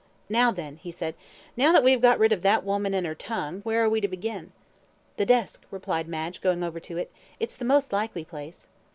"Now then," he said, "now that we have got rid of that woman and her tongue, where are we to begin?" "The desk," replied Madge, going over to it. "It's the most likely place."